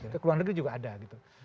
ke luar negeri juga ada gitu